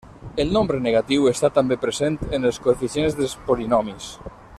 El nombre negatiu està també present en els coeficients dels polinomis.